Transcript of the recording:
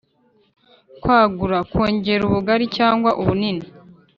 kwagura: kongera ubugari cyangwa ubunini.